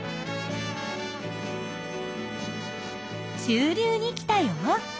中流に来たよ。